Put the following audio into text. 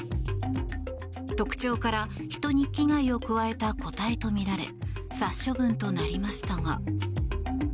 特徴から人に危害を加えた個体とみられ殺処分となりましたが。